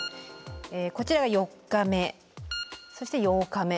こちらが４日目そして８日目。